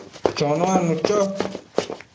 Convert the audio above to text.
chonuadnu cho